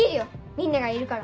みんながいるから。